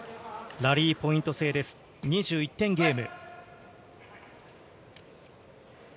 ラリーポイント制で２１点ゲーム。